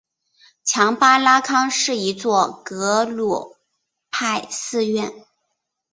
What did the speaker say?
强巴拉康是一座格鲁派寺院。